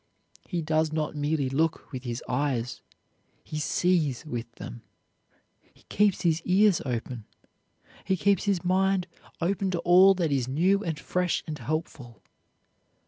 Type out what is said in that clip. He does not merely look with his eyes. He sees with them. He keeps his ears open. He keeps his mind open to all that is new and fresh and helpful.